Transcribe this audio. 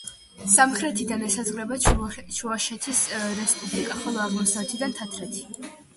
სამხრეთიდან ესაზღვრება ჩუვაშეთის რესპუბლიკა, ხოლო აღმოსავლეთიდან თათრეთი.